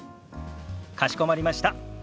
かしこまりました。